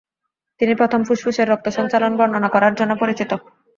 তিনি প্রথম ফুসফুসের রক্ত সঞ্চালন বর্ণনা করার জন্য পরিচিত।